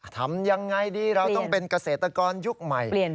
ทำยังไงดีเราต้องเป็นเกษตรกรยุคใหม่